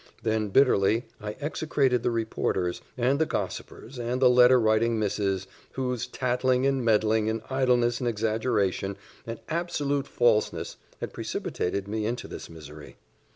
Then bitterly I execrated the reporters, and the gossipers, and the letter writing misses, whose tattling, and meddling, and idleness, and exaggeration, and absolute falsehood, had precipitated me into this misery.